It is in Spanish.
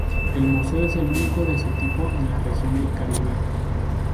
El museo es el único de su tipo en la región del Caribe.